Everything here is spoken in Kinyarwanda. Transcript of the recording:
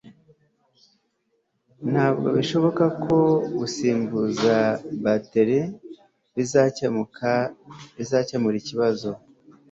ntabwo bishoboka ko gusimbuza bateri bizakemura ikibazo